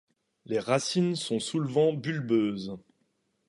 Les racines sont souvent bulbeuses.